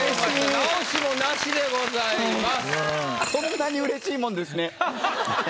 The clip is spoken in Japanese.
直しもなしでございます。